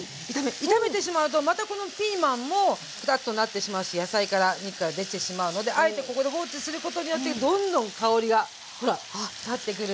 炒めてしまうとまたこのピーマンもクタッとなってしまうし野菜から肉から出てしまうのであえてここで放置することによってどんどん香りがほら立ってくるので。